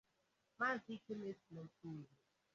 Maazị Ikemefuna Okoye